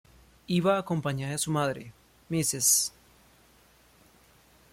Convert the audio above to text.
Iba acompañada de su madre: Mrs.